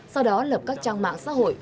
sau đó lập các trang mạng xã hội